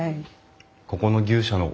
ここの牛舎の。